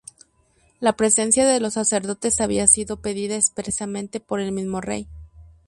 La presencia de los sacerdotes había sido pedida expresamente por el mismo rey.